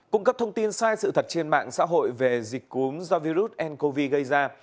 cung cấp thông tin sai sự thật trên mạng xã hội về dịch cúm do virus ncov gây ra